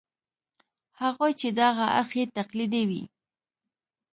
هغوی چې دغه اړخ یې تقلیدي وي.